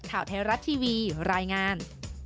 ข่าวไทยรัฐทีวีรายงาน